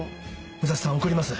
武蔵さん送ります。